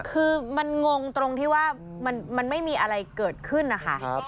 คือมันงงตรงที่ว่ามันไม่มีอะไรเกิดขึ้นนะคะ